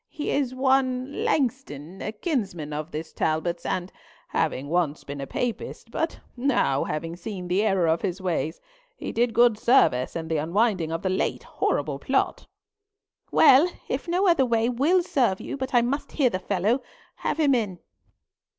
He is one Langston, a kinsman of this Talbot's; and having once been a Papist, but now having seen the error of his ways, he did good service in the unwinding of the late horrible plot." "Well, if no other way will serve you but I must hear the fellow, have him in."